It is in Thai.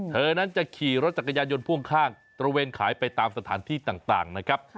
เธอนั้นจะขี่รถจักรยานยนต์พ่วงข้างตระเวนขายไปตามสถานที่ต่างนะครับ